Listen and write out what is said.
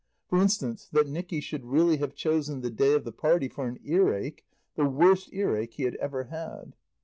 For instance, that Nicky should really have chosen the day of the party for an earache, the worst earache he had ever had.